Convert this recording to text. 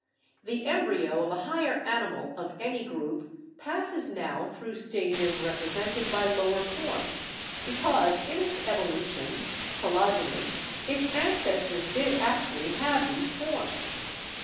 The embryo of a higher animal of any group passes now through stages represented by lower forms, because in its evolution (phylogeny) its ancestors did actually have these forms.